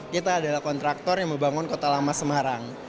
kita adalah kontraktor yang membangun kota lama semarang